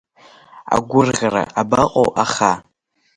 Агәырӷьара абаҟоу аха…